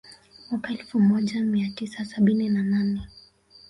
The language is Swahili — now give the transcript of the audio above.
Mwaka elfu moaja mia tisa sabini na nane